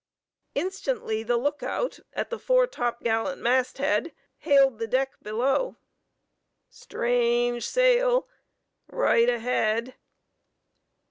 Instantly the lookout at the foretop gallant masthead hailed the deck below. "Strange sail! Right ahead!"